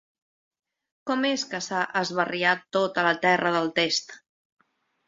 Com és que s'ha esbarriat tota la terra del test?